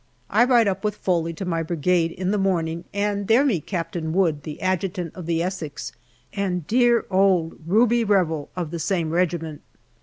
I ride up with Foley to my Brigade in the morning, and there meet Captain Wood, the Adjutant of the Essex, and dear old Ruby Revel, of the same regiment.